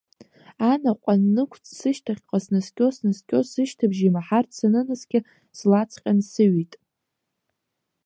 Анаҟә аннықәҵ сышьҭахьҟа снаскьо, снаскьо сышьҭыбжь имаҳартә санынаскьа, слаҵҟьан сыҩит.